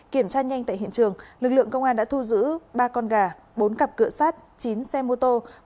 kiểm tra nhanh tại hiện trường lực lượng công an đã thu giữ ba con gà bốn cặp cửa sát chín xe mô tô